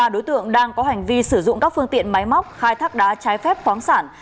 ba đối tượng đang có hành vi sử dụng các phương tiện máy móc khai thác đá trái phép khoáng sản